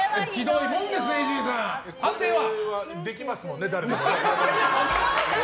これはできますもんね、誰でも。